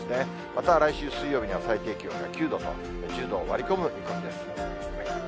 また来週水曜日には最低気温が９度と、１０度を割り込む見込みです。